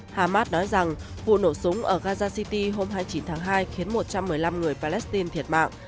hamas nói rằng vụ nổ súng ở gaza city hôm hai mươi chín tháng hai khiến một trăm một mươi năm người palestine thiệt mạng